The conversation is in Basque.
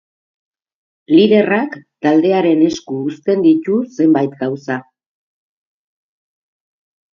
Liderrak taldearen esku uzten ditu zenbait gauza.